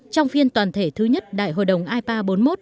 trong phiên toàn thể thứ nhất đại hội đồng ipa bốn mươi một